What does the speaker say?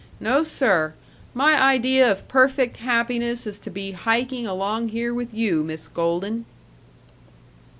No, sir; my idea of perfect happiness is to be hiking along here with you, Miss Golden."